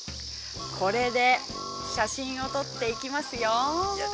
これで写真を撮っていきますよ。